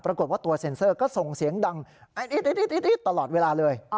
ปรากฏว่าตัวเซ็นเซอร์ก็ส่งเสียงดังตลอดเวลาเลย